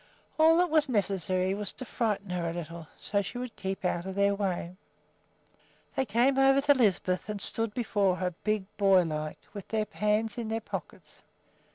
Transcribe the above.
All that was necessary was to frighten her a little, so that she would keep out of their way. They came over to Lisbeth and stood before her, big boy like, with their hands in their pockets.